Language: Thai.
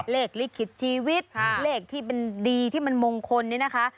ลิขิตชีวิตเลขที่มันดีที่มันมงคลเนี่ยนะคะ